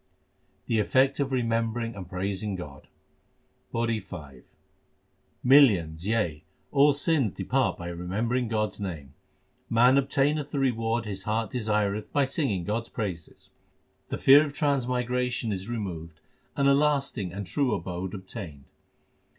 The effect of remembering and praising God : PAURI V Millions yea, all sins depart by remembering God s name. Man obtaineth the reward his heart desireth by singing God s praises. The fear of transmigration is removed, and a lasting and true abode obtained.